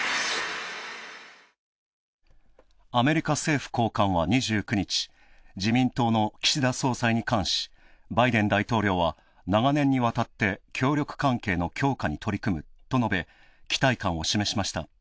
アメリカ政府高官は２９日、自民党の岸田総裁に関し、バイデン大統領は長年にわたって協力関係の強化に取り組むと述べ期待感を示しました。